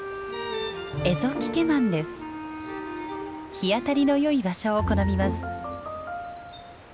日当たりの良い場所を好みます。